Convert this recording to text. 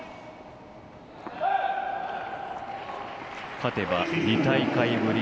勝てば２大会ぶり